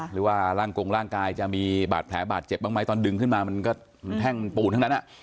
หรือว่าร่างกงร่างกายจะมีบาดแผลบาดเจ็บบ้างไหมตอนดึงขึ้นมามันก็แท่งมันปูดทั้งนั้น